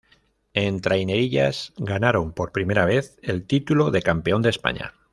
En trainerillas ganaron por primera vez el título de campeón de España.